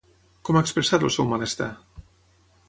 Com ha expressat el seu malestar?